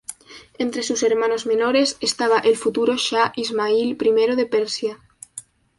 Entre sus hermanos menores, estaba el futuro shah Ismail I de Persia.